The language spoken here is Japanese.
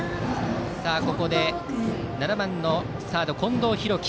ここで７番のサード、近藤大輝